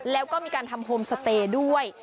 แล้วก็มีการทำโฮมสเตย์ด้วย